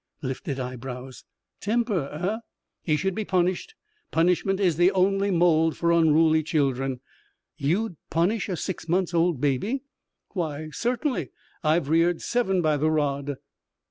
Lifted eyebrows. "Temper, eh? He should be punished. Punishment is the only mould for unruly children." "You'd punish a six months old baby?" "Why certainly. I've reared seven by the rod."